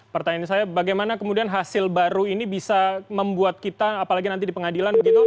pertanyaan saya bagaimana kemudian hasil baru ini bisa membuat kita apalagi nanti di pengadilan begitu